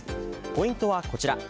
ポイントはこちら。